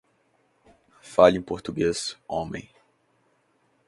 Fale em português, homem!